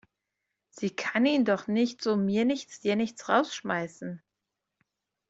Sie kann ihn doch nicht so mir nichts, dir nichts rausschmeißen!